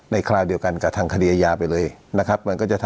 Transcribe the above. ในคลาลเดียวกันกับทางคยยาไปเลยนะครับมันก็จะทำ